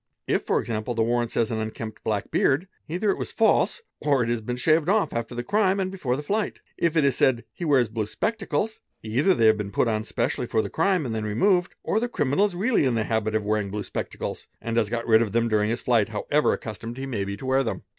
If, for example, the warrant says—'' an unkempt black beard ''—either it was false, or it has been shaved off after the crime and before the flight: if it is said—'' he 'wears blue spectacles '—either they have been put on specially for the re ime and then removed, or the criminal is really in the habit of wearing © blue spectacles and has got rid of them during his flight, however accus tomed he may be to wear them.